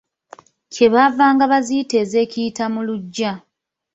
Kye baavanga baziyita ez'ekiyita mu luggya.